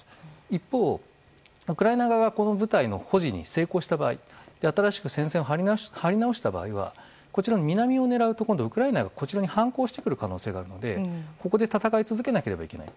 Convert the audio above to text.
一方、ウクライナ側がこの部隊の保持に成功した場合新しく戦線を張り直した場合は南を狙うと今度はウクライナが反攻してくる可能性があるのでここで戦い続けなければいけない。